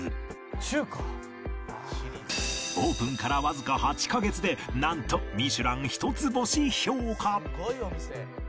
「中華」オープンからわずか８カ月でなんとミシュラン一つ星評価「すごいお店」